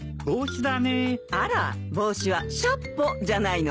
あら帽子はシャッポじゃないのかい？